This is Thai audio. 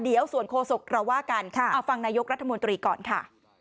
เดี๋ยวส่วนโคศกเราว่ากันเอาฟังนายกรัฐมนตรีก่อนค่ะ